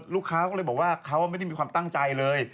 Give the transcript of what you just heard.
ลูกค้าก็เลยบอกว่าเขาไม่ได้มีความตั้งใจเลย